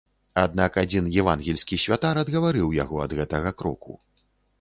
Аднак адзін евангельскі святар адгаварыў яго ад гэтага кроку.